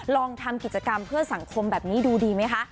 ลองทำกิจกรรมเพื่อสังคมแบบนี้ดูดีไหมคะ